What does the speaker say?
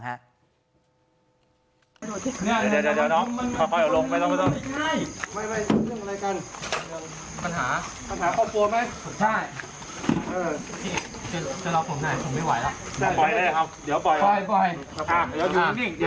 ละเดี๋ยวมาย้อนดิ